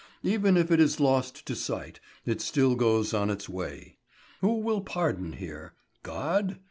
Even if it is lost to sight, it still goes on its way. Who will pardon here? God?